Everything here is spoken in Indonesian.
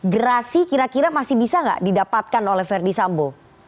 gerasi kira kira masih bisa nggak didapatkan oleh verdi sambo